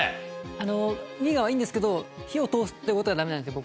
あのビーガンはいいんですけど火を通すっていう事がダメなんですよ